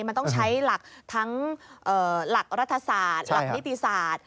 มันต้องใช้หลักทั้งหลักรัฐศาสตร์หลักนิติศาสตร์